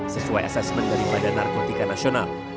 sesuai asesmen dari badan narkotika nasional